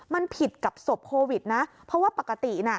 มันผิดกับศพโควิดนะเพราะว่าปกติน่ะ